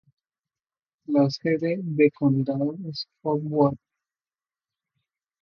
La sede de condado es Coldwater.